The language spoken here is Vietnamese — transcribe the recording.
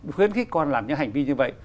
khuyến khích con làm những hành vi như vậy